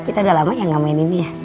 kita udah lama ya gak main ini ya